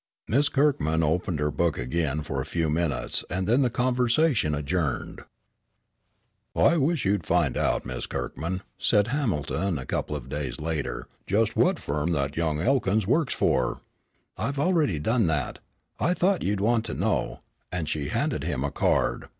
Miss Kirkman opened her book again for a few minutes, and then the convention adjourned. "I wish you'd find out, Miss Kirkman," said Hamilton a couple of days later, "just what firm that young Elkins works for." "I have already done that. I thought you'd want to know," and she handed him a card.